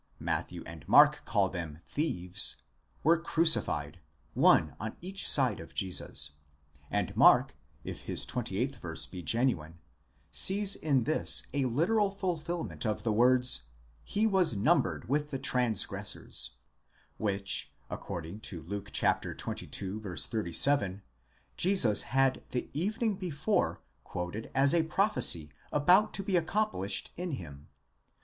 (Matthew and Mark call them λῃστὰς ¢hieves) were crucified, one on each side of Jesus; and Mark, if his 28th verse be genuine, sees in this a literal fulfil ment of the words: he was numbered with the transgressors, which, according to Luke xxii. 37, Jesus had the evening before quoted as a prophecy about to be accomplished in him.